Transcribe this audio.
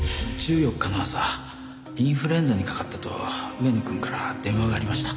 １４日の朝インフルエンザにかかったと上野くんから電話がありました。